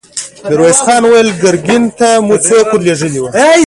ميرويس خان وويل: ګرګين ته مو څوک ور ولېږه؟